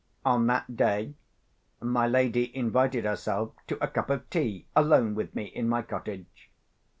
On that day, my lady invited herself to a cup of tea alone with me in my cottage.